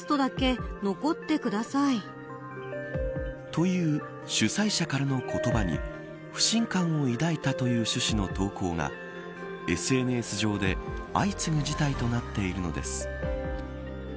という主催者からの言葉に不信感を抱いたという趣旨の投稿がＳＮＳ上で相次ぐ事態となっているのです。